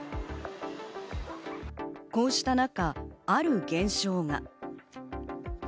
こうした中、ある現象が。